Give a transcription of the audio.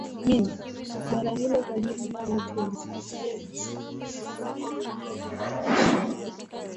bara hilo Kwa jumla watu walifuata dini zao za asili za kuabudu miungu